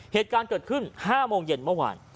เหตุการณ์เกิดขึ้น๕โมงเย็นเมื่อวาน